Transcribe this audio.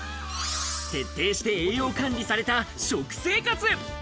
徹底して栄養管理された食生活。